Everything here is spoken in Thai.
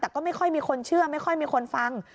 แต่ก็ไม่ค่อยมีคนเชื่อไม่ค่อยมีคนฟัง